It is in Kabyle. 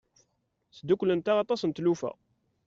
Sdukklent-aɣ aṭas n tlufa.